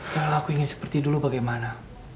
kalau aku ingin seperti dulu bagaimana